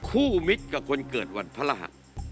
มิตรกับคนเกิดวันพระรหัส